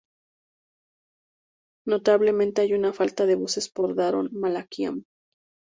Notablemente, hay una falta de voces por Daron Malakian.